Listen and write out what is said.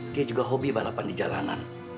dia juga hobi balapan di jalanan